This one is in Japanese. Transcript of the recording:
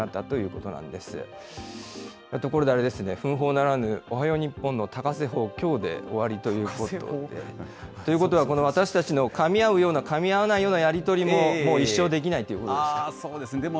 ところであれですね、分報ならぬ、おはよう日本の高瀬報、きょうで終わりということで。ということは、この私たちのかみ合うような、かみ合わないようなやり取りも、もう一生できないということですね。